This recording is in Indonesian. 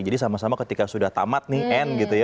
jadi sama sama ketika sudah tamat nih end gitu ya